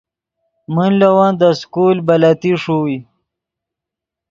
من لے ون دے سکول بلتی ݰوئے